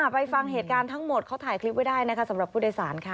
ไปฟังเหตุการณ์ทั้งหมดเขาถ่ายคลิปไว้ได้นะคะสำหรับผู้โดยสารค่ะ